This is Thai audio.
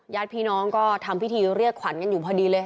ญาติพี่น้องก็ทำพิธีเรียกขวัญกันอยู่พอดีเลย